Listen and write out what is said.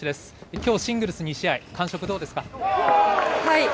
きょう、シングルス２試合、感触、どうですか。